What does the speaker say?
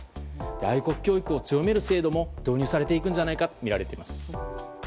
愛国教育を強める制度も導入していくんじゃないかとみられています。